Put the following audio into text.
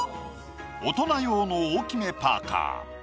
大人用の大きめパーカー。